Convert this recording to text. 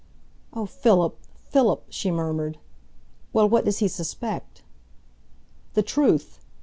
"Oh, Philip, Philip!" she murmured. "Well, what does he suspect?" "The truth!